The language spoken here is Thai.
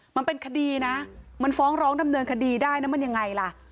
มันเป็นคดีนะมันฟ้องร้องดำเนินคดีได้นะมันยังไงล่ะ